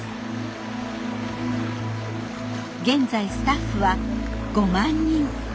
現在スタッフは５万人。